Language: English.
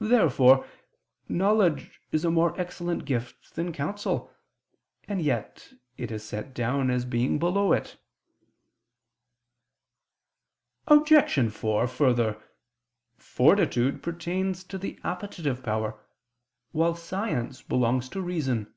Therefore knowledge is a more excellent gift than counsel; and yet it is set down as being below it. Obj. 4: Further, fortitude pertains to the appetitive power, while science belongs to reason.